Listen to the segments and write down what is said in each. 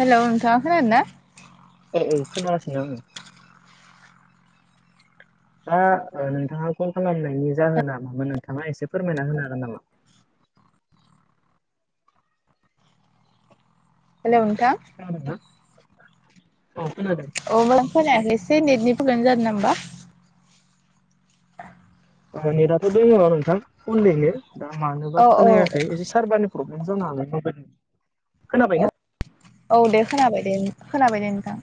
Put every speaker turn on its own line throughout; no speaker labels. Hello नोंथाङा खोनादों ना
औ खोनासिनो आङो दा ओ नोंथाङा फन खालामनायनि जाहोना मामोन नोंथाङा एसे फोरमायना होनो हागोन नामा
हेलौ नोंथां
औ नोंथां औ खोनादों
अब खोनायाखै एसे नेटनि फ्रब्लेम जादों ना होमबा [unintelligible]
नेटाथ' दङ नोंथां अनैनो दा मानोबा
औ औ
खोनायाखै एसे सारभारनि प्रब्लेम जानो हागोन म खोनाबाय
औ
ना
औ दे खोनाबाय दे खोनाबाय दे नोंथां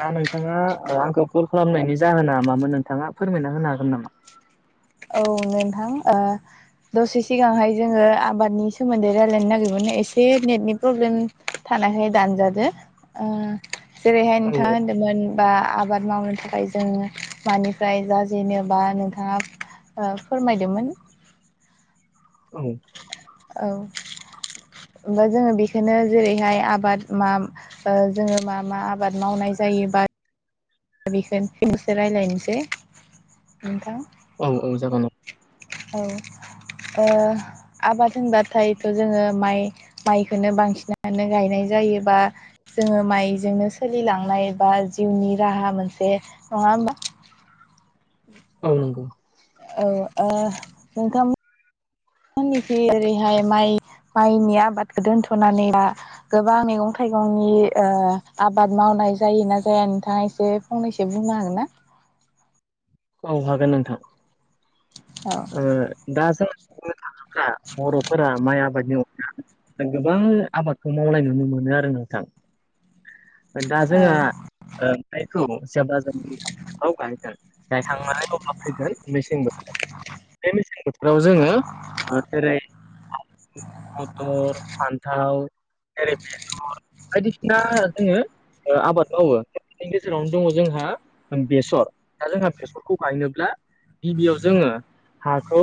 दा नोंथाङा आंखौ कल खालामनायनि जाहोना मामोन नोंथाङा फोरमायना होनो हागोन नामा
औ नोंथां ओ दसे सिगांहाय जोङो आबादनि सोमोन्दै रायजलायनो नागिरोमोन एसे नेटनि प्रब्लेम थानायखाय दानजादो ओ जेरैहाय
औ
नोंथाङा होनदों मोन बा आबाद मावनो थाखाय जों मानिफ्राय जाजेनो बा नोंथाङा ओ फोरमायदोंमोन
[inaudible]
औ ओमबा जोङो बेखौनो जेरैहाय आबाद मा ओ जोङो मा मा आबाद मावनाय जायोबा दा बेखौनो फिन एसे रायज्लायनोसै नोंथां
औ औ जागोन औ
औ ओ आबाद होनबाथायथ' जोङो माइ माइखोननो बांसिनानो गायनाय जायोबा जोङो माइजोंनो सोलिलांनाय बा जिउनि राहा मोनसे नङा होमबा।
औ नंगौ।
औ ओ नोंथां मोनिखै ओरैहाय माइ माइनि आबादखौ दोनथ'नानै बा गोबां मैगं थाइगंनि ओ आबाद मावनाय जायोना जाया नोंथाङा एसे फंनैसो बुंनो हागोन ना
औ हागोन नोंथां
औ
ओ दा जोङो बुंनो थाङोब्ला बर'फोरा माइ आबादनि अ गोबां आबादखौ मावलनाय नुनो मोनो आरो नोंथां ओदा जोंहा
ओ
ओ माइखौ जेब्ला जों [unintelligible] गायगोन गायखांनानै अब्ला फैगोन मेसें बोथोर बे मेसें बोथोराव जोङो जेरै मथर फान्थाव जेरै बेसर बायदिसिना दा जोङो आबाद मावो बिनि गेजेरावनो दङ जोंहा बेसर दा जोंहा बेसरखौ गायनोब्ला गिबियाव जोङो हाखौ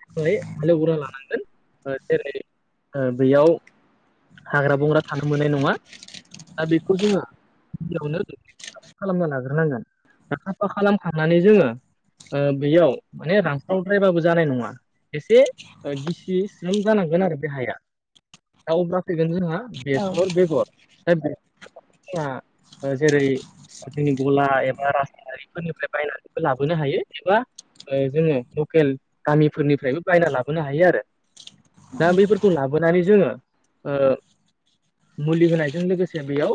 हालेगोरना लानांगोन जेरै बेयाव हाग्रा बंग्रा थानो मोननाय नङा दा बेखौ जोङो गिबियावनो खालामना लाग्रोनांगोन साफा खालामखांनानै जोङो बेयाव माने रानख्रावद्रायबाबो जानाय नङा एसे गिसि स्रोम जानांगोन आरो बे हाया दा अब्ला फैगोन जोंहा
औ जेरै
बेसर बेगर जेरै जोंनि गला एबा रासायनारि फोरनिफ्राय बायनानैबो लाबोनो हायो एबा जोङो लकेल गामिफोरनिफ्रायबो बायना लाबोनो हायो आरो दा बेफोरखौ लाबोनानै जोङो ओ मुलि होनायजों लोगोसे बेयाव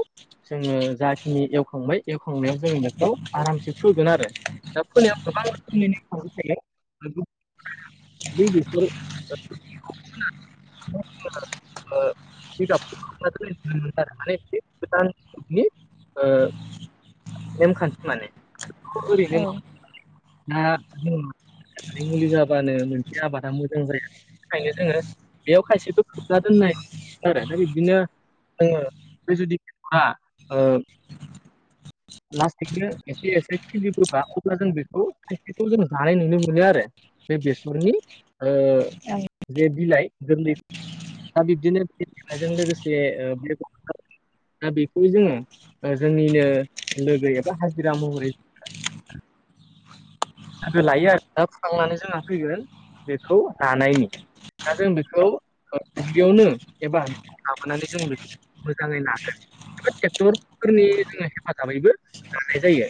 जोङो जाखिनि एवखांबाय एवखांनायाव जोङो बेखौ आरामसे फोगोन आरो दा फोनायाव गोबां रोखोमनि [unintelligible] बि बिसोर [unintelligible] [unintelligible] ओ नेखानथि माने ओरैनो [unintelligible] मुलि जाबानो मोनसे आबादा मोजां जाया थाखायनो जोङो बेयाव खायसेखौ खोबना दोननाय नुदों आरो दा बिब्दिनो बे जुदि [unintelligible] लासैनो एसे एसे खिलिबोबा अब्ला जों बेखौ खायसेखौ जों जानाय नुनो मोनो आरो बे बेसरनि जे बिलाइ गोरलै दा बिब्दिनो लोगोसे [unintelligible] दा बेखौ जोङो जोंनिनो लोगो एबा हाजिरा महरै लोगो लायो आरो दा खांनानै जोंहा फैगोन बेखौ दानायनि दा जों बेखौ दुब्लियावनो एबा लाबोनानै जों बेखौ मोजाङै नागोन एबा ट्रेक्टरफोरनि जोङो हेफाजाबैबो नानाय जायो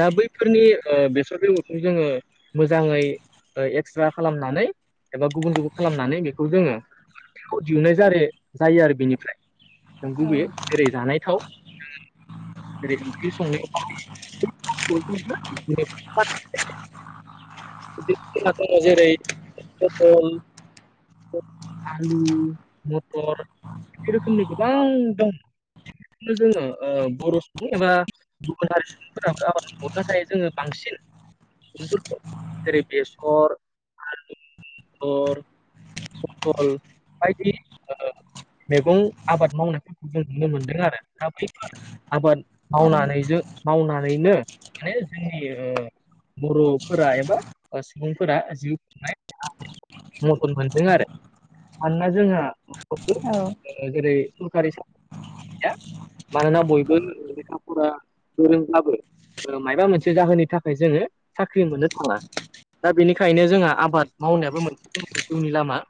दा बैफोरनि ओ बेसर बेगरखौ जोङो मोजाङै ओ एक्स्रा खालामनानै एबा गुबुन गुबुन खालामनानै बेखौ जोङो बेखौ दिहुननाय जायो जायो आरो बेनिफ्राय नों गुबैय जेरै जानाय थाव ओरै ओंख्रि संनायाव बाहायो [unintelligible] [unintelligible] बुङो जेरै पटल आलु मथर बे रोखोमनि गोबां दं [unintelligible] जोङो बर' सुबुं एबा गुबुनारि सुबुंफोराबो आबाद मावो नाथाय जोङो बांसिन जेरै बेसर आलु मटर पटल बायदि ओ मैगं आबाद मावनायफोरखौ जों नुनो मोनदों आरो दा बैफोर आबाद मावनानै जों मावनानैनो माने जोंनि बर'फोरा एबा सुबुंफोरा जिउ खुंनाय मदद मोनदों आरो मानोना जोंहा बयबो
औ
जेरै सरकारि [unintelligible] मानोना बयबो लेखा फरा गोरोंब्लाबो ओ मायाबा मोनसे जाहोननि थाखाय जोङो साख्रि मोननो थाङा दा बेनिखायनो जोंहा आबाद मावनायाबो मोनसे जोंनि जिउनि लामा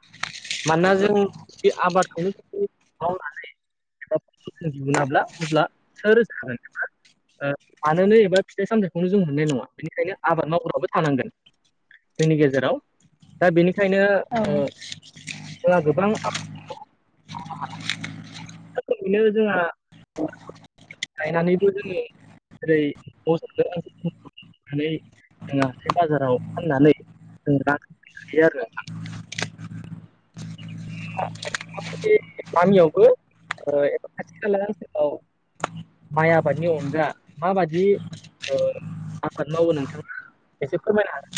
मानोना जों बे आबादखौनो जों मावनानै एबा [unintelligible] दिहुनाब्ला अब्ला सोर [unintelligible] ओ जानोनो एबा फिथाइ सामथायाइखौनो जों मोननाय नङा बेनिखायनो आबाद मावग्राबो थानांगोन। जोंनि गेजेराव दा बेनिखायनो ओ जोंहा गोबां दा ओरैनो जोंहा गायनानैबो जोङो ओरै [unintelligible] नानै जोङो हाथाइ बाजाराव फाननानै जों रां आरजिनो हायो आरो नोंथां
[inaudible]
बे गामियावबो ओ एबा खाथि खाला ओनसोलाव माइ आबादनि अनगा माबादि ओ आबाद मावो नोंथाङा एसे फोरमायनो हागोन।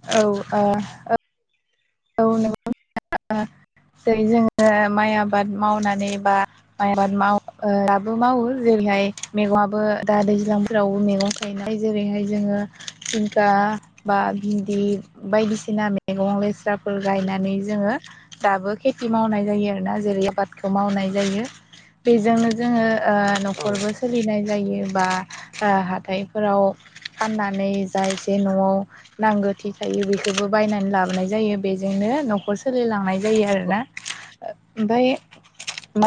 औ ओ ओ औ नंगौ जेरै जोङो माइ आबाद मावनानै बा माइ आबाद माव ओ दाबो मावो जेरैहाय मैगङाबो दा दैज्लांफोरावबो मैगं गायनाय जेरैहाय जोङो जिंखा बा बिन्दि बायदिसिना मैगं लेस्राफोर गायनानै जोङो दाबो खेथि मावनाय जायो आरोना जेरै आबादखौ मावनाय जायो। बेजोंनो जोङो
हागोन
न'खरबो सोलिनाय जायो बा हाथायफोराव फाननानै जा एसे न'आव नांगौ थि थायो बेखौबो बायनानै लाबोनाय जायो बेजोंनो न'खर सोलिलांनाय जायो आरोना ओमफ्राय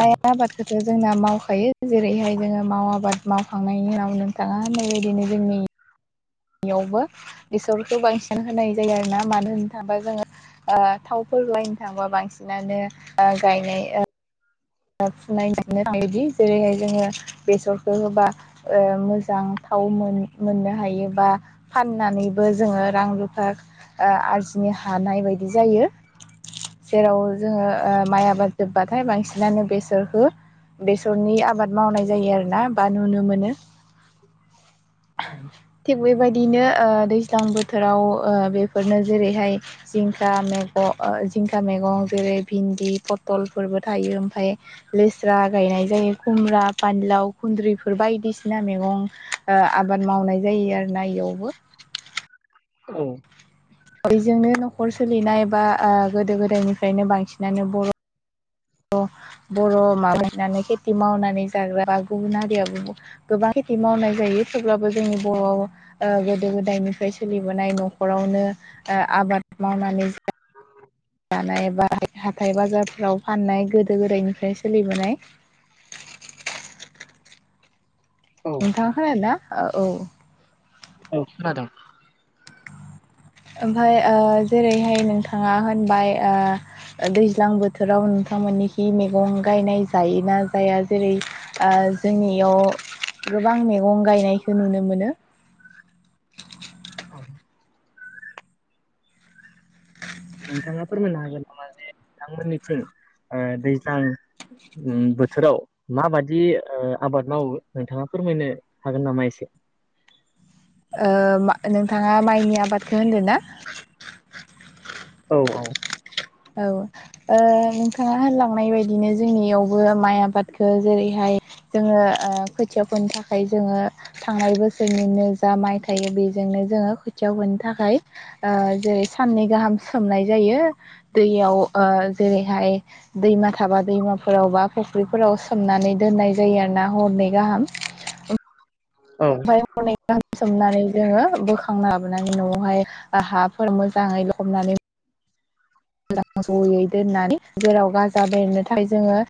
औ
आबाद जोंना मावखायो जेरैहाय जोङो माव आबाद मावखांनायनि उनाव नोंथाङा बेबायदिनो जोंनि बेयावबो बेसरखौ बांसिन होनाय जायो आरोना मानो होननो थाङोबा जोङो ओ थावफोर लायनो थांबा बांसिनानो गायनाय ओ [unintelligible] थाङोदि जेरैहाय जोङो बेसरखौ होबा ओ मोजां थाव मोननो हायोबा फाननानैबो जोङो रां रुफा ओ आरजिनो हानाय बायदि जायो। जेराव जोङो ओ माइ आबाद जोब्बाथाय बांसिन बिनो बेसरखौ बेसरनि आबाद मावनाय जायो आरोना बा नुनो मोनो।
औ
थिग बेबायदिनो ओ दैज्लां बोथोराव ओ बेफोरनो जेरैहाय जिंखा मैग ओ जिंखा मैगं जेरै भिन्दि फथलफोरबो थायो। [unintelligible] लेस्रा गायनाय जायो खुमब्रा फानलाव खुन्द्रिफोर बायदिसिना मैगं ओ आबाद मावनाय जायो आरो ना बेयावबो।
औ
बयजोंनो न'खर सोलिनाय बा ओ गोदो गोदायनिफ्रायनो बांसिनानो बर' बर' माबायनानै खेथि मावनानै जाग्रा बा गुबुन हारिया गोबां खेथि मावनाय जायो थेवब्लाबो जोंनि बर' ओ गोदो गोदायनिफ्राय सोलिबोनाय न'खरावनो ओ आबाद मावनानै
औ
लानाय बा हाथाय बाजारफोराव फाननाय गोदो गोदायनिफ्राय सोलिबोनाय
औ
नोंथाङा खोनादों ना औ औ
औ खोनादोंं।
ओमफ्राय ओ जेरैहाय नोंथाङा होनबाय दैज्लां बोथोराव नोंथांमोननिखि मैगं गायनाय जायोना जाया? जेरै जोंनियाव गोबां मैगं गायनायखौ नुनो मोनो।
औ नोंथाङा फोरमायनो हागोन नामा जे नोंथांमोननिथिं दैज्लां बोथोराव माबाददि आबाद मावो नोंथाङा फोरमायनो हागोन नामा एसे?
नोंथाङा माइनि आबादखौ होनदों ना?
औ औ।
औ। नोंथाङा होनलांनाय बायदिनो जोंनियावबो माइ आबादखौ जेरैहाय जोङो खोथियाफोरनि थाखाय जोङो थांनाय बोसोरनिनो जा माइ थायो बेजोंनो जोङो खोथियाव होनो थाखाय जेरै साननै गाहाम सोमनाय जायो दैयाव जेरैहाय दैमा थाबा दैमाफोरावबा फुख्रिफोराव सोमनानै दोननाय जायो आरो ना हरनै गाहाम
औ।
है गाहाम सोमनानै जोङो बोखां लाबोनानै न'आवहाय हाफोर मोजाङै हमनानै जयै दोननानै जेराव गाजा बेरनोथाखाय जोङो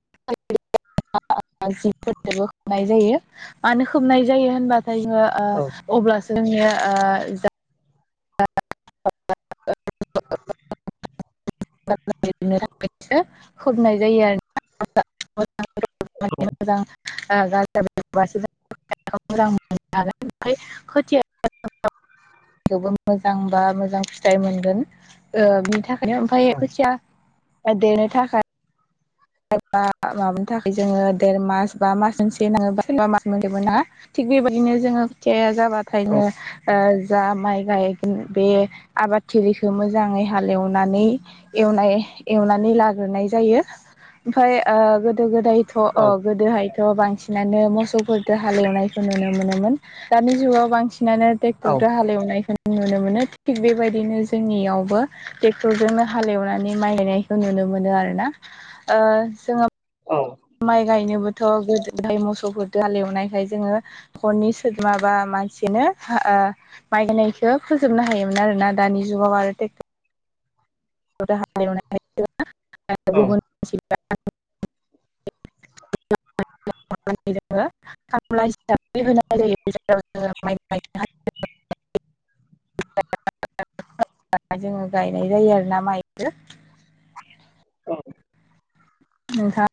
जिफोरजोंबो होबनाय जायो मानो होबनाय जायो होनबाथाय जोङो
औ
अब्लासो जोंनिया ओ [inaudible] होबनाय जायो आरो [unintelligible] [unintelligible] आ खोथिया [unintelligible] थेवबो मोजां बा मोजां फिथाइ मोनगोन ओ बिनि थाखायनो ओमफाय खोथिया ओ देनो थाखा मा माबानि थाखाय जोङो देर मास बा मास मोनसे नाङोबा सोरबा मास मोनसेबो ना थिग बेबायदिनो जोङो खुथिाया
औ
जाबाथायनो जा माइ गायगोन बे आबादथिलिखौ मोजाङै हालेवनानै एवनाय एवनानै लाग्रोनाय जायो। ओमफ्राय गोदो गोदायथ' अ
औ औ
गोदोहाय थ बांसिनानो मोसौफोरफोरखौ हालेवनायखौ नुनो मोनोमोन दानि जुगाव बांसिनानो
औ
टेक्टरदो हालेव नायखो नुनो मोनो। थिग बेबायदिनो जोंनियावबो टेक्टरजोंनो हालेवनानै माइ गानाय नुनो मोनो आरोना ओ जोङो
औ।
माइ गायनोबोथ' गोदोहाय मोसौफोर दो हाल एवनायखाय जोङो हरनि [unintelligible] मानसिनो हा आ माइ गायनायखो फोजोबनो हायोमोन आरो ना दानि जुगाव आरो टेक्ट
औ
[unintelligible] [unintelligible] जोङो गायनाय जायो आरोना माइखो।
औ।
नोंहा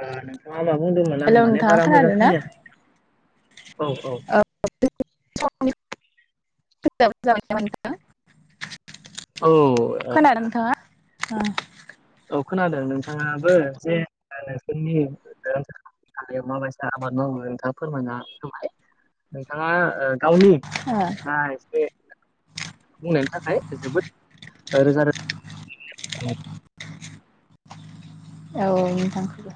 ओ नोंथाङा मा बुंदोंमोन? आं
हेलौ
माने
नोंथाङा
बारा मोजां
खोनादों ना
खोनायासै नोंथां औ औ।
[unintelligible]
औ। औ
खोनादों नोंथाङा? ओं।
औ खोनादों नोंथाङाबो जे नोंसोरनि [unintelligible] थानायाव माबायसा आबाद मावो नोंथाङा फोरमायना [unintelligible] नोंथाङा ओ गावनि दा एसे बुंनायनि थाखाय जोबोद ओ रोजा रो
औ नोंथांखोबो।